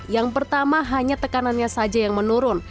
yang pertama hanya tekanannya saja yang menurun